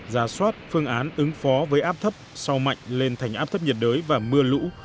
giả soát phương án ứng phó với áp thấp sâu mạnh lên thành áp thấp nhiệt đới và mưa lũ